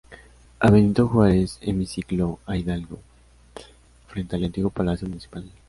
A Benito Juárez; hemiciclo a Hidalgo, frente al antiguo palacio municipal.